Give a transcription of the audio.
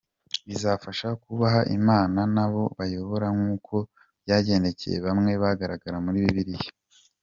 Bizabafasha kubaha Imana n’abo bayobora nk’uko byagendekeye bamwe bagaragara muri Bibiliya”.